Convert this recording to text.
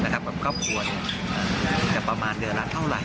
กับครอบครัวจะประมาณเดือนละเท่าไหร